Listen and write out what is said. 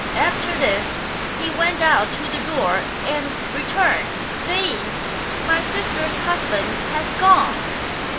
After this he went out to the door and returned, saving, " My sister's husband has gone.